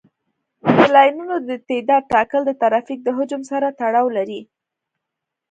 د لاینونو د تعداد ټاکل د ترافیک د حجم سره تړاو لري